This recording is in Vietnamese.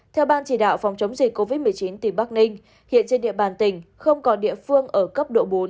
theo ban chỉ đạo phòng chống dịch covid một mươi chín tỉnh bắc ninh hiện trên địa bàn tỉnh không còn địa phương ở cấp độ bốn